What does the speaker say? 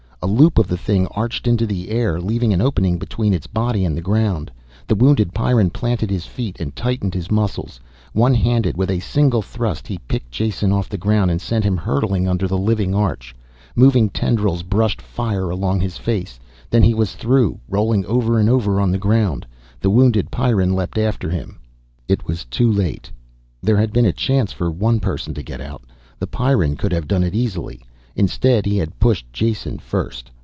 A loop of the thing arched into the air, leaving an opening between its body and the ground. The wounded Pyrran planted his feet and tightened his muscles. One handed, with a single thrust, he picked Jason off the ground and sent him hurtling under the living arch. Moving tendrils brushed fire along his face, then he was through, rolling over and over on the ground. The wounded Pyrran leaped after him. It was too late. There had been a chance for one person to get out. The Pyrran could have done it easily instead he had pushed Jason first.